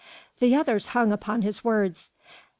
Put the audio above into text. The others hung upon his words.